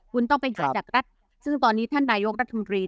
คุณต้องไปหาจากรัฐซึ่งตอนนี้ท่านนายกรัฐมนตรี